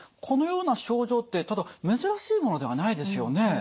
このような症状ってただ珍しいものではないですよね。